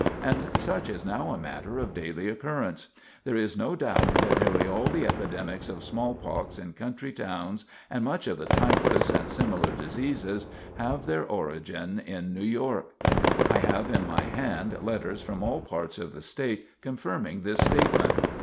And such is now a matter of daily occurrence. There is no doubt that nearly all the epidemics of smallpox in country towns, and much of the typhus and similar diseases, have their origin in New York. I have in my hand letters from all parts of the State confirming this statement.